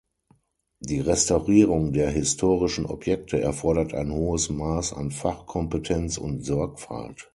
Die Restaurierung der historischen Objekte erfordert ein hohes Maß an Fachkompetenz und Sorgfalt.